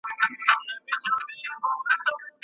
رومانټیک او ریالستیک ادب دواړه ارزښت لري.